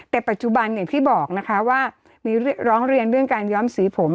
แต่ปัจจุบันอย่างที่บอกนะคะว่ามีร้องเรียนเรื่องการย้อมสีผม